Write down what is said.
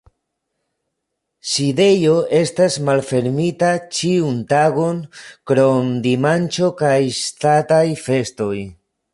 Sidejo estas malfermita ĉiun tagon krom dimanĉo kaj ŝtataj festoj.